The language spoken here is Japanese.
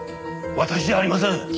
私じゃありません！